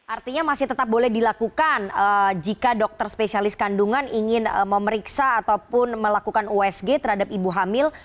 artinya masih tetap boleh dilakukan jika dokter spesialis kandungan ingin memeriksa ataupun melakukan usg terhadap ibu hamil